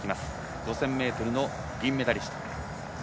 ５０００ｍの銀メダリスト。